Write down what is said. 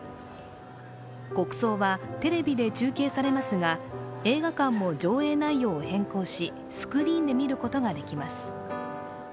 国葬はテレビで中継されますが、映画館も上映内容を変更しスクリーンで見ることができます。